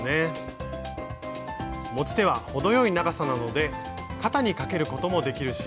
持ち手は程よい長さなので肩にかけることもできるし。